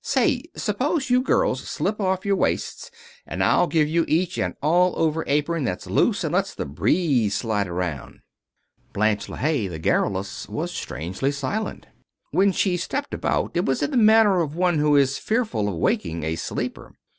Say, suppose you girls slip off your waists and I'll give you each an all over apron that's loose and let's the breeze slide around." Blanche LeHaye, the garrulous, was strangely silent. When she stepped about it was in the manner of one who is fearful of wakening a sleeper.